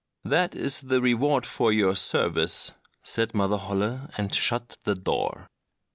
"That is the reward for your service," said Mother Holle, and shut the door.